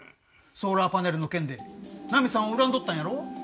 ソーラーパネルの件でナミさんを恨んどったんやろ？